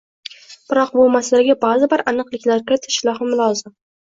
Biroq bu masalaga ba’zi bir aniqliklar kiritish ham lozim.